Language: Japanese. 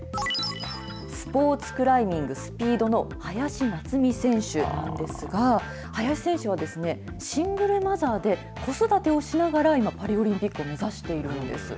スポーツクライミング・スピードの林奈津美選手なんですが、林選手は、シングルマザーで、子育てをしながら今、パリオリンピックを目指しているんです。